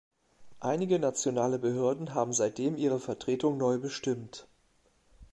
Einige nationale Behörden haben seitdem ihre Vertretung neu bestimmt.